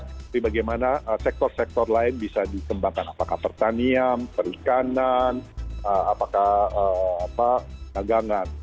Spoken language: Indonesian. tapi bagaimana sektor sektor lain bisa dikembangkan apakah pertanian perikanan apakah dagangan